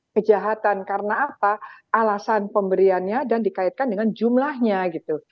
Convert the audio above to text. kejahatan karena apa alasan pemberiannya dan dikaitkan dengan jumlahnya gitu